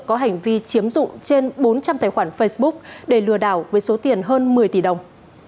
có hành vi chiếm dụng trên bốn trăm linh tài khoản facebook để lừa đảo với số tiền hơn một mươi tỷ đồng